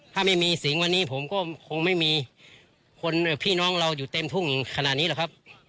ถ้าไม่มีสิงห์วันนี้ผมก็คงไม่มีคนพี่น้องเราอยู่เต็มทุ่งขนาดนี้หรอกครับ